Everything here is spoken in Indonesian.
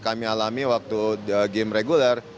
kami alami waktu game reguler